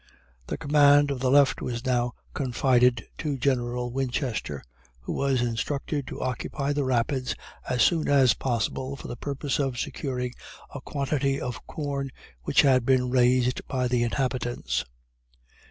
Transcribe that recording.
The command of the left was now confided to General Winchester, who was instructed to occupy the rapids as soon as possible for the purpose of securing a quantity of corn which had been raised by the inhabitants.